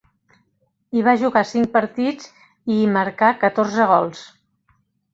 Hi va jugar cinc partits i hi marcà catorze gols.